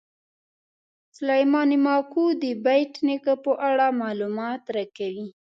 سلیمان ماکو د بېټ نیکه په اړه معلومات راکوي.